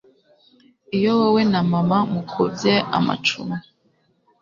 iyi wowe na mama mukubye amacumi